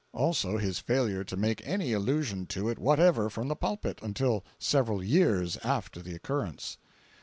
Also his failure to make any allusion to it whatever from the pulpit, until several years after the occurrence "3.